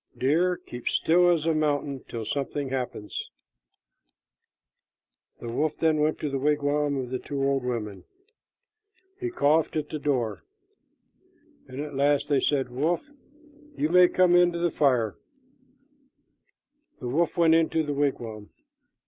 Deer, keep still as a mountain till something happens." The wolf then went to the wigwam of the two old women. He coughed at the door, and at last they said, "Wolf, you may come in to the fire." The wolf went into the wigwam.